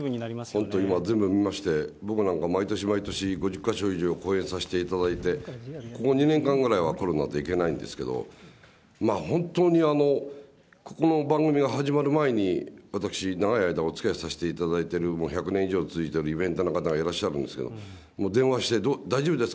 本当に、全部見まして、僕なんかも毎年毎年５０か所以上、公演させていただいて、ここ２年間ぐらいはコロナで行けないんですけれども、まあ本当にここの番組が始まる前に、私、長い間、おつきあいさせていただいている１００年以上続いているイベンターの方がいらっしゃるんですけど、大丈夫ですか？